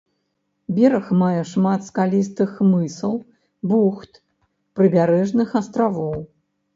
Бераг мае шмат скалістых мысаў, бухт, прыбярэжных астравоў.